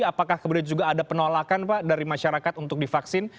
apakah kemudian juga ada penolakan pak dari masyarakat untuk divaksin